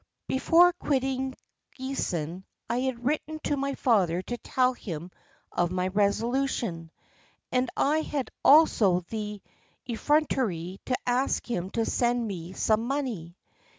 "Before quitting Giessen I had written to my father to tell him of my resolution, and I had also the effrontery to ask him to send me some money.